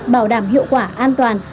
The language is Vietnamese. bảo đảm hiệu quả an toàn